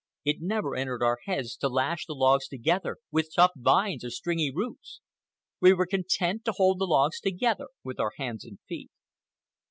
It never entered our heads to lash the logs together with tough vines or stringy roots. We were content to hold the logs together with our hands and feet.